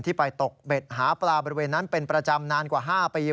ไปตกเบ็ดหาปลาบริเวณนั้นเป็นประจำนานกว่า๕ปี